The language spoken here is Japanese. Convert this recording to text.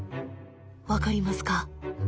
分かりますか？